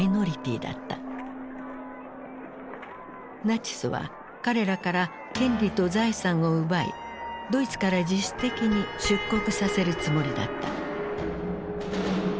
ナチスは彼らから権利と財産を奪いドイツから自主的に出国させるつもりだった。